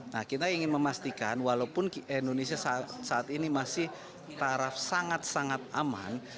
nah kita ingin memastikan walaupun indonesia saat ini masih taraf sangat sangat aman